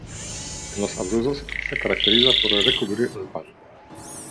En los Abruzos se caracteriza por recubrir el pan.